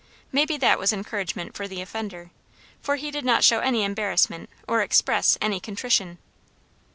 Maybe that was encouragement for the offender; for he did not show any embarrassment or express any contrition.